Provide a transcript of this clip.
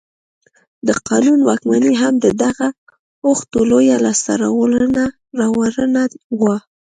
د قانون واکمني هم د دغه اوښتون لویه لاسته راوړنه وه.